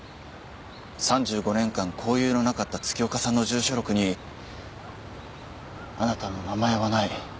３５年間交友のなかった月岡さんの住所録にあなたの名前はない。